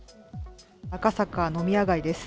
赤坂、飲み屋街です。